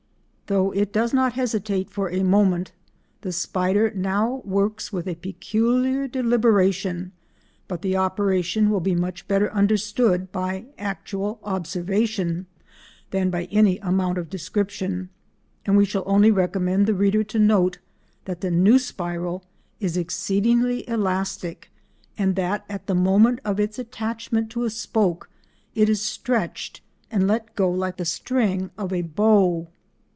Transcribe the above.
Though it does not hesitate for a moment, the spider now works with a peculiar deliberation, but the operation will be much better understood by actual observation than by any amount of description, and we shall only recommend the reader to note that the new spiral is exceedingly elastic and that at the moment of its attachment to a spoke it is stretched and let go like the string of a bow.